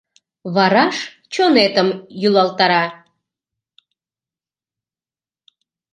Вараш чонетым йӱлалтара.